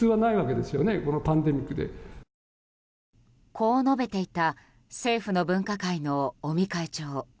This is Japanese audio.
こう述べていた政府の分科会の尾身会長。